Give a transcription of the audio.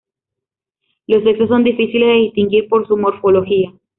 Los sexos son difíciles de distinguir por su morfología.